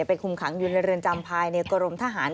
คุมขังอยู่ในเรือนจำภายในกรมทหาร